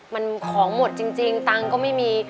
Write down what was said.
มันของหมดจริงตังค์ก็ไม่มี